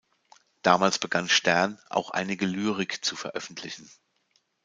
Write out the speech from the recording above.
Damals begann Stern, auch einige Lyrik zu veröffentlichen.